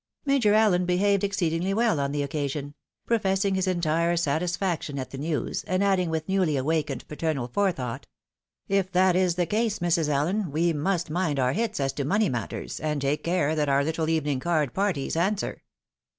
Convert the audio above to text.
Major AUen behaved exceedingly well on the occasion ; pro fessing his entire satisfaction at the news, and adding with newly awakened paternal forethought, " If that is the case, Mrs. Allen, we must mind our hits as to money matters, and take care that our little evening card parties answer."